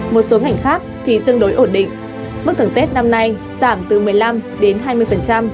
một số ngành khác thì tương đối ổn định mức thưởng tết năm nay giảm từ một mươi năm đến hai mươi